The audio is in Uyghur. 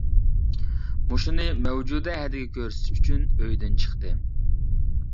مۇشۇنى مەۋجۇدە ھەدىگە كۆرسىتىش ئۈچۈن، ئۆيىدىن چىقتى.